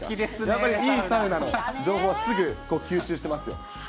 やっぱりいいサウナの情報はすぐ吸収してます。